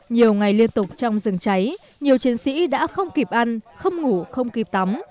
nhiều ngày liên tục trong rừng cháy nhiều chiến sĩ đã không kịp ăn không ngủ không kịp tắm